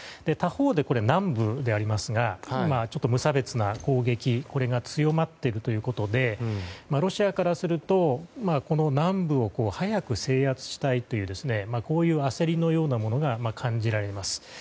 他方で南部でありますが今、無差別な攻撃これが強まっているということでロシアからするとこの南部を早く制圧したいという焦りのようなものが感じられます。